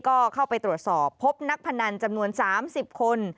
ก็เข้าไปตรวจสอบพบนักพนันจำนวน๓๐คน